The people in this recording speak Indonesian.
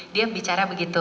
dia bicara begitu